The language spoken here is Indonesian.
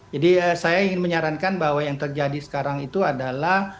jadi saya ingin menyarankan bahwa yang terjadi sekarang itu adalah